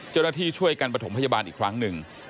เจ้าหน้าที่ช่วยกันประถมพยาบาลอีกครั้งหนึ่ง